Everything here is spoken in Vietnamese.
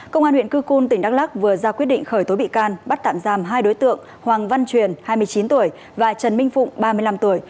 công an huyện cư cun tỉnh đắk lắc vừa ra quyết định khởi tố bị can bắt tạm giam hai đối tượng hoàng văn truyền hai mươi chín tuổi và trần minh phụng ba mươi năm tuổi